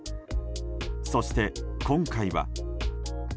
そして今回は。